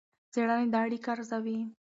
څېړنې دا اړیکه ارزوي.